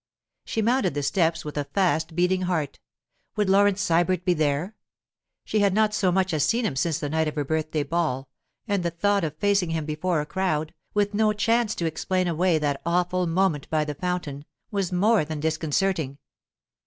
She mounted the steps with a fast beating heart. Would Laurence Sybert be there? She had not so much as seen him since the night of her birthday ball, and the thought of facing him before a crowd, with no chance to explain away that awful moment by the fountain, was more than disconcerting.